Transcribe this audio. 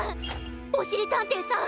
おしりたんていさん